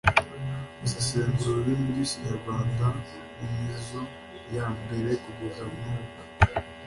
basesengura ururimi rw’ikinyarwanda, mu mizo ya mbere kugeza ubu.